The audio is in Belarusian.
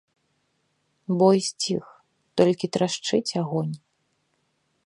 Бой сціх, толькі трашчыць агонь.